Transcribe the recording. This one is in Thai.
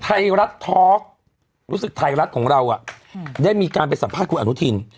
ไทยรัฐทอล์กรู้สึกไทยรัฐของเราได้มีการไปสัมภาษณ์คุณอนุทิน